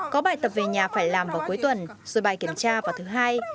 có bài tập về nhà phải làm vào cuối tuần rồi bài kiểm tra vào thứ hai